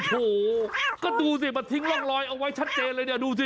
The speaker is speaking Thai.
โอ้โหก็ดูสิมาทิ้งร่องรอยเอาไว้ชัดเจนเลยเนี่ยดูสิ